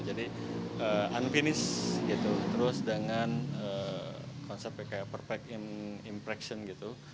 jadi unfinished gitu terus dengan konsepnya kayak perfect in impression gitu